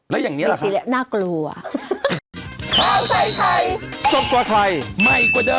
แล้วอย่างนี้ล่ะคะน่ากลัวฮ่า